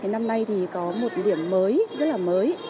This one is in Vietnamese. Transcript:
năm nay thì có một điểm mới rất là mới